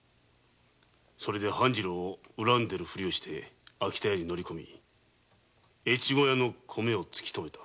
半次郎を恨んでるふりをして秋田屋へ行き越後屋の米を突き止めた。